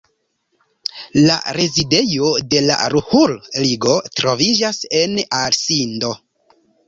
La rezidejo de la Ruhr-Ligo troviĝas en Asindo.